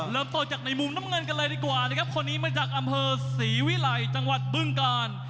เริ่มต้นจากในมุมน้ำเงินกันเลยดีกว่านะครับคนนี้มาจากอำเภอศรีวิลัยจังหวัดบึงกาล